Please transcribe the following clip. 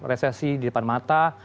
resesi di depan mata